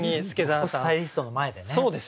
トップスタイリストの前でね。